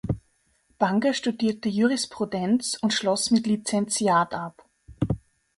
Banga studierte Jurisprudenz und schloss mit Lizentiat ab.